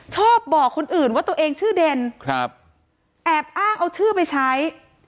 บอกคนอื่นว่าตัวเองชื่อเด่นครับแอบอ้างเอาชื่อไปใช้